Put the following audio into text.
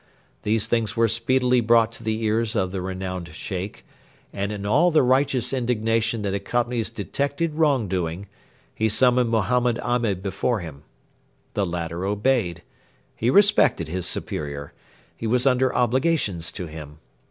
These things were speedily brought to the ears of the renowned Sheikh, and in all the righteous indignation that accompanies detected wrong doing, he summoned Mohammed Ahmed before him. The latter obeyed. He respected his superior. He was under obligations to him.